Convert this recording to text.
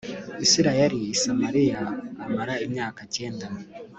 isirayeli i samariya amara imyaka cyenda